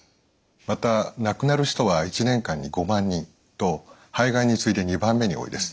また亡くなる人は１年間に５万人と肺がんに次いで２番目に多いです。